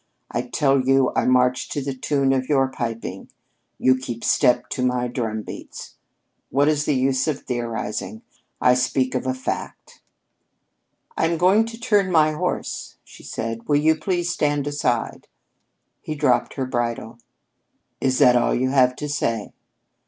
I tell you, I march to the tune of your piping; you keep step to my drum beats. What is the use of theorizing? I speak of a fact." "I am going to turn my horse," she said. "Will you please stand aside?" He dropped her bridle. "Is that all you have to say?"